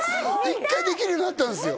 一回できるようになったんですよ